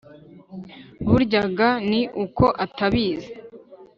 Burya ga ni uko utabizi